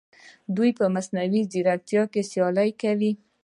دوی په مصنوعي ځیرکتیا کې سیالي کوي.